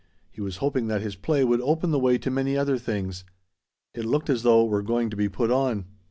He was hoping that his play would open the way to many other things; it looked as though it were going to be put on.